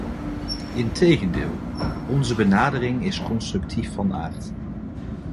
Integendeel, onze benadering is constructief van aard.